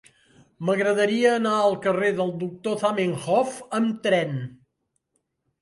M'agradaria anar al carrer del Doctor Zamenhof amb tren.